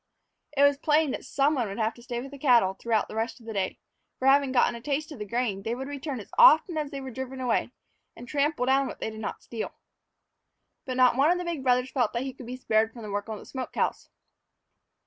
It was plain that some one would have to stay with the cattle throughout the rest of the day; for, having gotten a taste of the grain, they would return as often as they were driven away and trample down what they did not steal. But not one of the big brothers felt that he could be spared from the work on the smoke house.